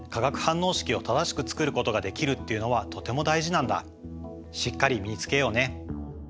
でもだからしっかり身につけようね！